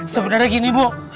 sebenarnya gini bu